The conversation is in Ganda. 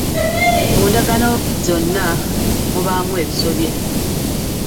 Mu ndagaano zonna mubaamu ebisobye.